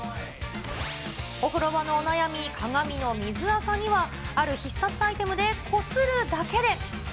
お風呂場のお悩み、鏡の水あかにはある必殺アイテムでこするだけで。